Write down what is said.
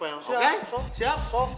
ini saksi yang terasa